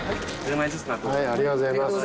ありがとうございます。